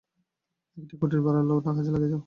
একটি কুটীর ভাড়া লও এবং কাজে লাগিয়া যাও।